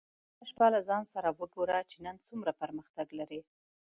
هره شپه له ځان سره وګوره چې نن څومره پرمختګ لرې.